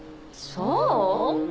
そう？